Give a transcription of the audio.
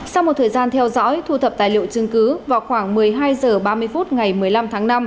sau một thời gian theo dõi thu thập tài liệu chứng cứ vào khoảng một mươi hai h ba mươi phút ngày một mươi năm tháng năm